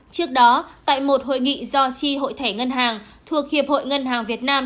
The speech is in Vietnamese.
trước đó tại một hội nghị do tri hội thẻ ngân hàng thuộc hiệp hội ngân hàng việt nam